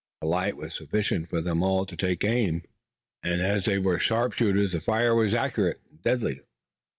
The light was sufficient for them to take aim, and as they were sharpshooters the fire was accurate and deadly.